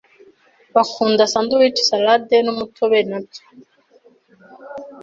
Bakunda sandwiches, salade, numutobe, nabyo.